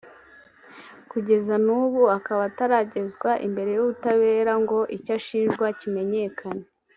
kugeza n’ubu akaba ataragezwa imbere y’ubutabera ngo icyo ashinjwa kimenyekane